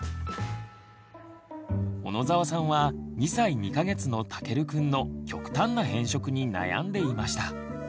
小野澤さんは２歳２か月のたけるくんの極端な偏食に悩んでいました。